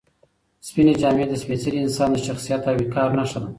سپینې جامې د سپېڅلي انسان د شخصیت او وقار نښه ده.